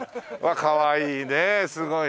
かわいいねえすごい。